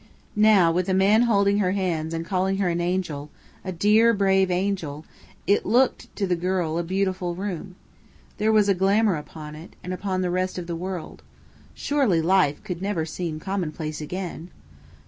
Now, with a man holding her hands and calling her an angel a "dear, brave angel!" it looked to the girl a beautiful room. There was glamour upon it, and upon the rest of the world. Surely life could never seem commonplace again!